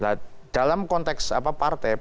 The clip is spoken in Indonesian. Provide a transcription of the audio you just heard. nah dalam konteks partai